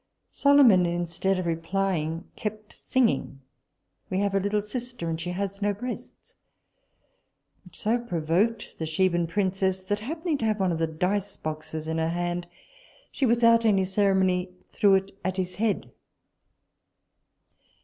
Solomon, instead of replying, kept singing, "We have a little sister, and she has no breasts;" which so provoked the Sheban princess, that happening to have one of the dice boxes in her hand, she without any ceremony threw it at his head.